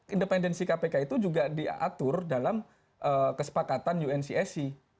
independensi kpk itu juga diatur dalam kesepakatan uncsc